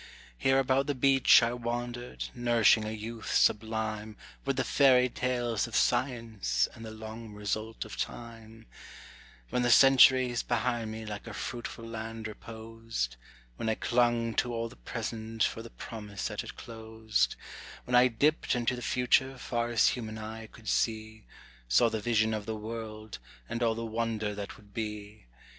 Here about the beach I wandered, nourishing a youth sublime With the fairy tales of science, and the long result of time; When the centuries behind me like a fruitful land reposed; When I clung to all the present for the promise that it closed; When I dipt into the future far as human eye could see, Saw the vision of the world, and all the wonder that would be.